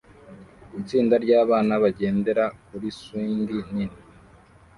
itsinda ryabana bagendera kuri swing nini